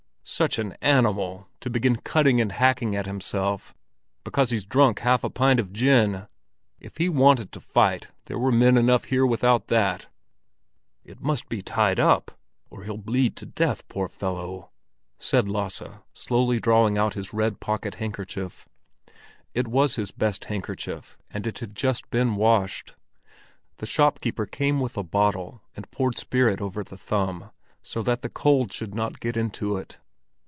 "Such an animal to begin cutting and hacking at himself because he's drunk half a pint of gin! If he wanted to fight, there were men enough here without that!" "It must be tied up, or he'll bleed to death, poor fellow!" said Lasse, slowly drawing out his red pocket handkerchief. It was his best handkerchief, and it had just been washed. The shopkeeper came with a bottle and poured spirit over the thumb, so that the cold should not get into it.